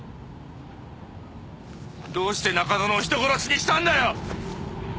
どうして中園を人殺しにしたんだよ！